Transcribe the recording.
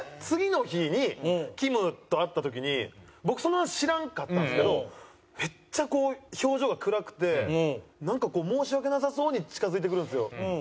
次の日にきむと会った時に僕その話知らんかったんですけどめっちゃこう表情が暗くてなんかこう申し訳なさそうに近付いてくるんですよ。